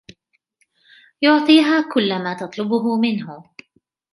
يعطيها كل ما تطلبه منه.